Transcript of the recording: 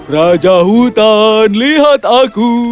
raja hutan lihat aku